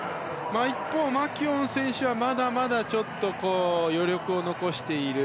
一方、マキュオン選手はまだまだ余力を残している。